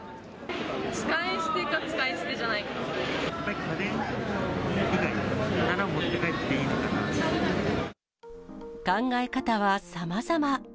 使い捨てか、使い捨てじゃな家電以外は持って帰っていい考え方はさまざま。